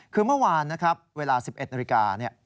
คือเมื่อวานนะครับเวลา๑๑นาฬิกา